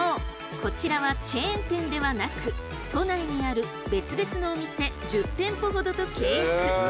こちらはチェーン店ではなく都内にある別々のお店１０店舗ほどと契約。